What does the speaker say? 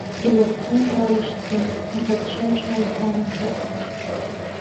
Илакҭа нҭалашьцан, иҟазшьа аҽааиҭанакит.